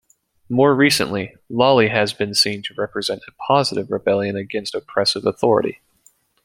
More recently, Lalli has been seen to represent a positive rebellion against oppressive authority.